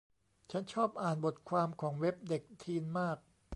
ฉันชอบอ่านบทความของเว็บเด็กทีนมาก